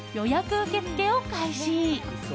受け付けを開始。